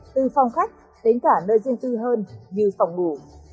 từ phòng khách đến cả nơi riêng tư hơn như phòng ngủ